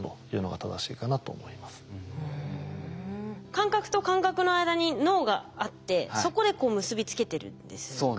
感覚と感覚の間に脳があってそこでこう結び付けてるんですかね。